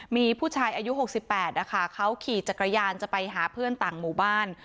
มีผู้ชายอายุ๖๘นะคะเขาขี่จักรยานจะไปหาเพื่อนต่างหมู่บ้าน